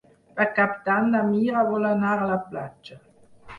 Per Cap d'Any na Mira vol anar a la platja.